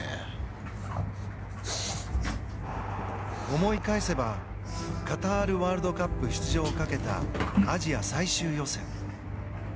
思い返せばカタールワールドカップ出場をかけたアジア最終予選。